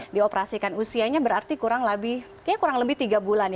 dioperasikan usianya berarti kurang lebih tiga bulan